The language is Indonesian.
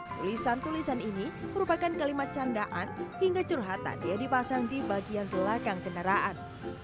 tulisan tulisan ini merupakan kalimat candaan hingga curhatan yang dipasang di bagian belakang kendaraan